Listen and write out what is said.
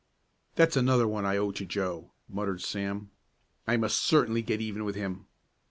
"That's another one I owe to Joe!" muttered Sam. "I must certainly get even with him.